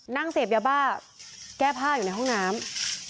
เสพยาบ้าแก้ผ้าอยู่ในห้องน้ำ